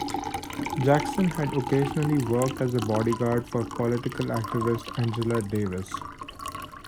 Jackson had occasionally worked as a bodyguard for political activist Angela Davis.